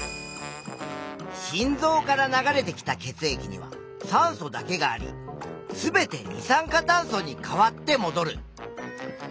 心臓から流れてきた血液には酸素だけがあり全て二酸化炭素に変わってもどる。